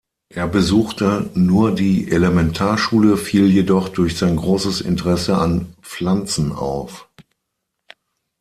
Er besuchte nur die Elementarschule, fiel jedoch durch sein großes Interesse an Pflanzen auf.